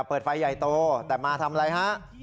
เปิดไฟใหญ่โตแต่มาทำอะไรฮะ